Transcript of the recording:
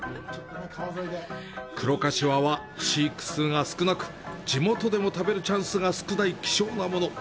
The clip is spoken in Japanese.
「黒かしわ」は飼育数が少なく、地元でも食べるチャンスが少ない希少なもの。